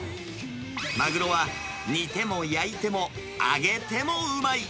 マグロは煮ても焼いても揚げてもうまい。